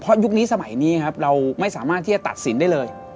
เพราะยุคนี้สมัยนี้ครับเราไม่สามารถที่จะตัดสินได้เลย